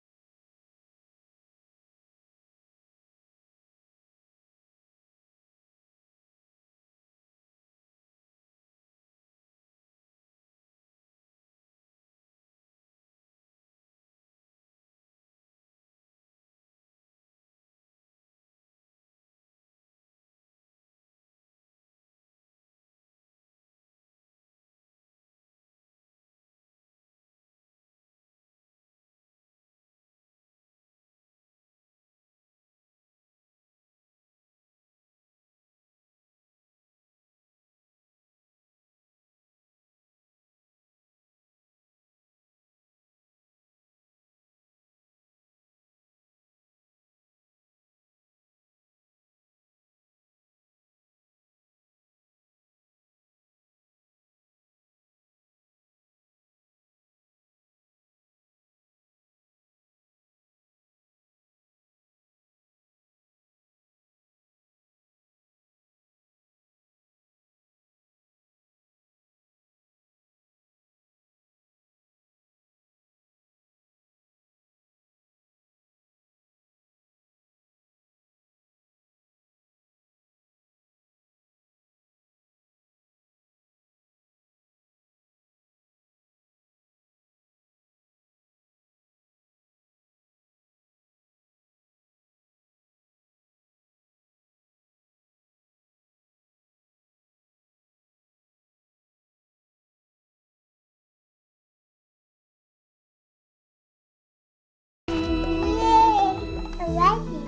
gak pernah nyusahin orang tua